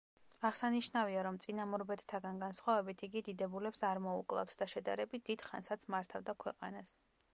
აღსანიშნავია, რომ წინამორბედთაგან განსხვავებით იგი დიდებულებს არ მოუკლავთ და შედარებით დიდ ხანსაც მართავდა ქვეყანას.